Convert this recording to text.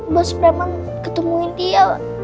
bas preman ketemuin dia